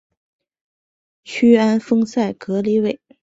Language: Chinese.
屈安丰塞格里韦。